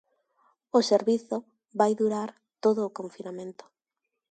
O servizo vai durar todo o confinamento.